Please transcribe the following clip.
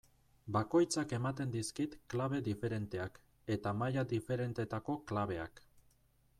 Bakoitzak ematen dizkit klabe diferenteak, eta maila diferentetako klabeak.